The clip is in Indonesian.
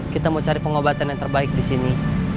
kita mau cari pengobatan yang terbaik disini